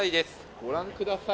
ご覧ください。